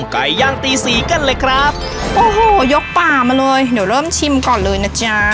ไก่ย่างตีสีกันเลยครับโอ้โหยกป่ามาเลยเดี๋ยวเริ่มชิมก่อนเลยนะจ๊ะ